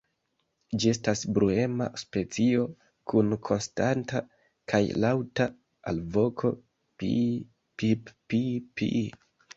Ĝi estas bruema specio, kun konstanta kaj laŭta alvoko "pii-pip-pii-pii".